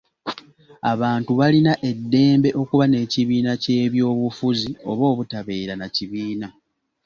Abantu balina eddembe okuba n'ekibiina ky'ebyobufuzi oba obutabeera na kibiina.